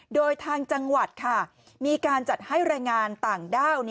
โดยทางจังหวัดมีการจัดให้แรงงานต่างด้าว